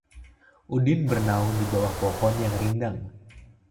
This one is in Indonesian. Udin bernaung di bawah pohon yang rindang